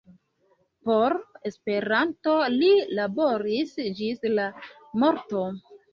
Por Esperanto li laboris ĝis la morto.